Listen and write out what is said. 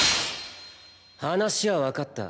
話は分かった。